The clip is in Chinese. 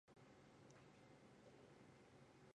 流经四川石渠附近时称为雅砻江。